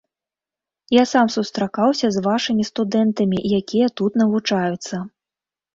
Я сам сустракаўся з вашымі студэнтамі, якія тут навучаюцца.